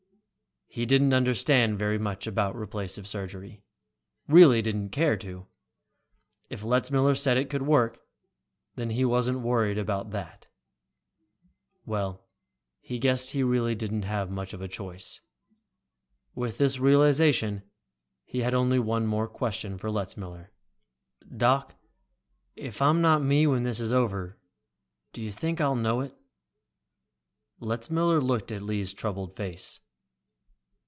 He didn't understand very much about replacive surgery, really didn't care to. If Letzmiller said it could work, then he wasn't worried about that. Well, he guessed he really didn't have much choice. With this realization, he had only one more question for Letzmiller. "Doc, if I'm not me when this is over, do you think I'll know it?" Letzmiller looked at Lee's troubled face.